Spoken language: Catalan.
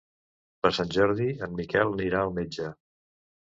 Per Sant Jordi en Miquel anirà al metge.